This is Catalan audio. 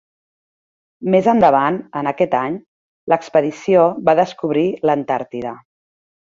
Més endavant en aquest any, l'expedició va descobrir l'Antàrtida.